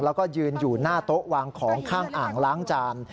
แล้วก็ยืนอยู่หน้าโต๊ะวางของข้างอ่างล้างจาน